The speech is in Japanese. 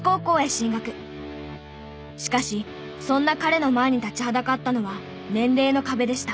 しかしそんな彼の前に立ちはだかったのは年齢の壁でした。